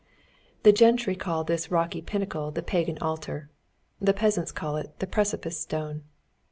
The gentry call this rocky pinnacle the Pagan Altar; the peasants call it the Precipice Stone.